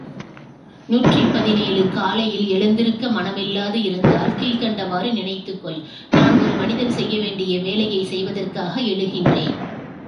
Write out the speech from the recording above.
நூற்றி பதினேழு காலையில் எழுந்திருக்க மனமில்லாதிருந்தால் கீழ்க்கண்டவாறு நினைத்துக்கொள் நான் ஒரு மனிதன் செய்யவேண்டிய வேலையைச் செய்வதற்காக எழுகின்றேன்.